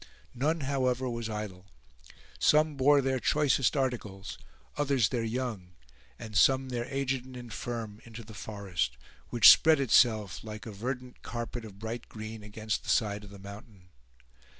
None, however, was idle. Some bore their choicest articles, others their young, and some their aged and infirm, into the forest, which spread itself like a verdant carpet of bright green against the side of the mountain.